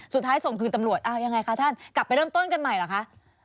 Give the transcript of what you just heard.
สุดท้ายส่งคืนตำรวจยังไงคะท่านกลับไปเริ่มต้นกันใหม่หรือคะ